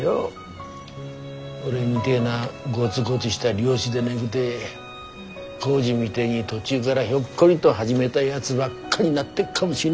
俺みでえなゴヅゴヅした漁師でねくて耕治みでえに途中がらひょっこりと始めだやづばっかになってっかもしんねえぞ。